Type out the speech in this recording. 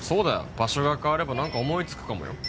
場所が変われば何か思いつくかもよ